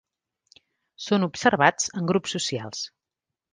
Són observats en grups socials.